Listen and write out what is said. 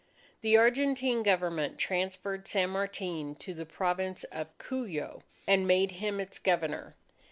The Argentine Government transferred San Martin to the Province of Cuyo, and made him its Governor.